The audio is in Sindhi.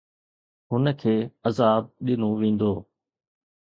هن کي عذاب ڏنو ويندو